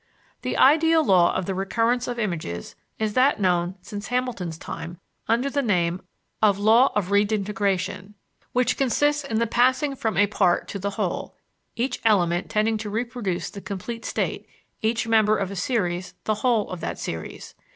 The ideal law of the recurrence of images is that known since Hamilton's time under the name of "law of redintegration," which consists in the passing from a part to the whole, each element tending to reproduce the complete state, each member of a series the whole of that series.